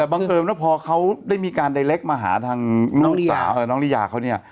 แต่บังเกิดมันพอเขาได้มีการมาหาทางน้องลิยาเออน้องลิยาเขาเนี้ย